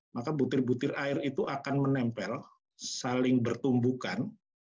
maka butir butir air itu akan menempel saling bertumbukan